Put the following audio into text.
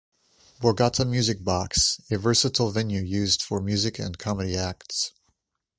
Borgata Music Box: A versatile venue used for music and comedy acts.